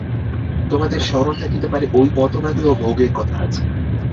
তোমাদের স্মরণ থাকিতে পারে, ঐ মতবাদেও ভোগের কথা আছে।